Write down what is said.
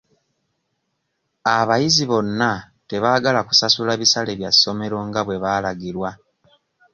Abayizi bonna tebaagala kusasula bisale bya ssomero nga bwe baalagirwa.